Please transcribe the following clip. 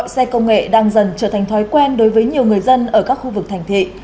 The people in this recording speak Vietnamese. xe công nghệ đang dần trở thành thói quen đối với nhiều người dân ở các khu vực thành thị